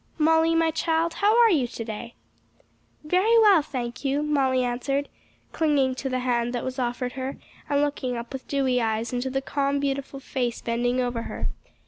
"Molly, my child, how are you to day?" "Very well, thank you," Molly answered, clinging to the hand that was offered her, and looking up with dewy eyes into the calm, beautiful face bending over her.